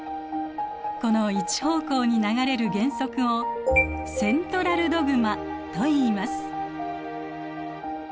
この一方向に流れる原則を「セントラルドグマ」といいます。